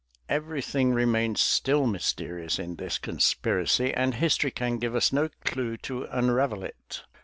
Every thing remains still mysterious in this conspiracy; and history can give us no clew to unravel it.